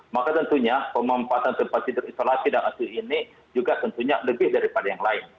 maka tentunya pemempasan tempat tidur isolasi dan hasil ini juga tentunya lebih daripada yang lain